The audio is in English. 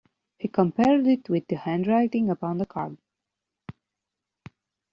He compared it with the handwriting upon the card.